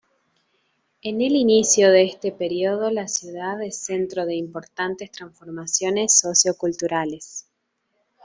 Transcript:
En el inicio de este periodo la ciudad es centro de importantes transformaciones socio-culturales.